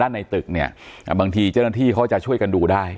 ในตึกเนี่ยบางทีเจ้าหน้าที่เขาจะช่วยกันดูได้